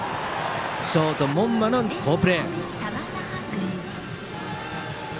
ショート門間の好プレー。